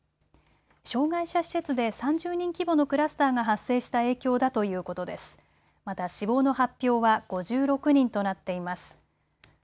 障害者施設で３０人規模のクラスターが発生した影響だということです。